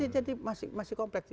jadi masih kompleks